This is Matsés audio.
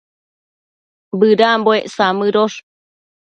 Bëdambuec samëdosh